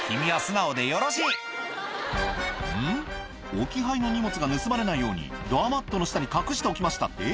置き配の荷物が盗まれないようにドアマットの下に隠しておきましたって？」